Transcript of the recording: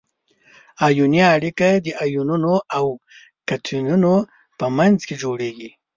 ایوني اړیکه د انیونونو او کتیونونو په منځ کې جوړیږي.